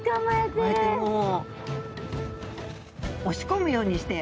こうやってもう押し込むようにして。